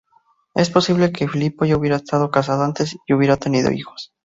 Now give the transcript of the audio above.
Es posible que Filipo ya hubiera estado casado antes, y hubiera tenido hijos.